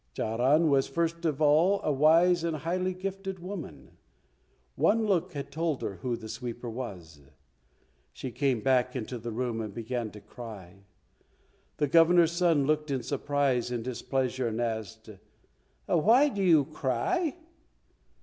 Charan was first of all a wise and highly gifted woman. One look had told her who the sweeper was. She came back into the room and began to cry. The Governor's son looked in surprise and displeasure, and asked, "Why do you cry?"